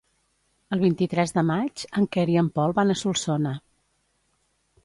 El vint-i-tres de maig en Quer i en Pol van a Solsona.